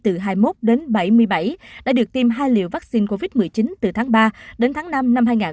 những người tuổi từ hai mươi một đến bảy mươi bảy đã được tiêm hai liều vaccine covid một mươi chín từ tháng ba đến tháng năm năm hai nghìn hai mươi một